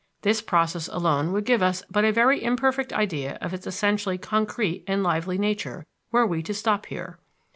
This process alone would give us but a very imperfect idea of its essentially concrete and lively nature were we to stop here.